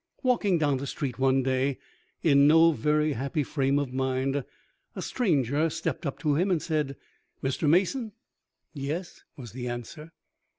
Walking down the street one day in no very happy frame of mind, a stranger stepped up to him, and said, "Mr. Mason?" "Yes," was the answer.